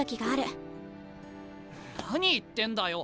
何言ってんだよ。